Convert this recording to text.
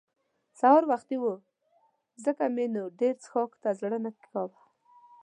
سهار وختي وو ځکه مې نو ډېر څښاک ته زړه نه کاوه.